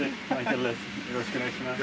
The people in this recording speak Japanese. よろしくお願いします。